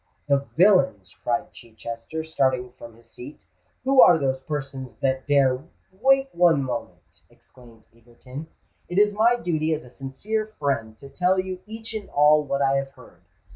"The villains!" cried Chichester, starting from his seat: "who are those persons that dare——" "Wait one moment!" exclaimed Egerton: "it is my duty as a sincere friend to tell you each and all what I have heard.